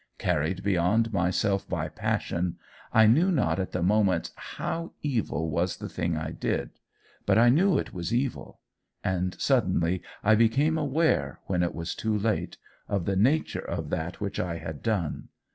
Carried beyond myself by passion, I knew not at the moment HOW evil was the thing I did. But I knew it was evil. And suddenly I became aware, when it was too late, of the nature of that which I had done.